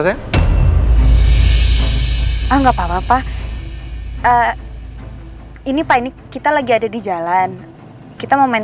sebaiknya aku nyalain